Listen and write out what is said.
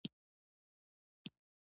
مزارشریف د افغانانو د تفریح یوه وسیله ده.